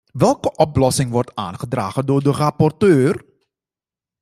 Welke oplossing wordt aangedragen door de rapporteur?